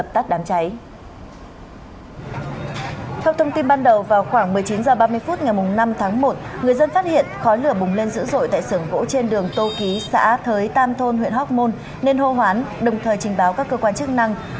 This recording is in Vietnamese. theo thông tin ban đầu vào khoảng một mươi chín h ba mươi phút ngày năm tháng một người dân phát hiện khói lửa bùng lên dữ dội tại xưởng gỗ trên đường tô ký xã thới tam thôn huyện hóc môn nên hô hoán đồng thời trình báo các cơ quan chức năng